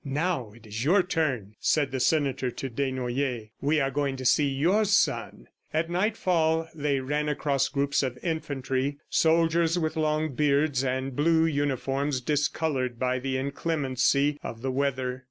"Now it is your turn," said the senator to Desnoyers. "We are going to see your son." At nightfall, they ran across groups of infantry, soldiers with long beards and blue uniforms discolored by the inclemency of the weather.